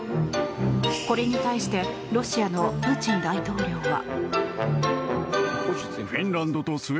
これに対してロシアのプーチン大統領は。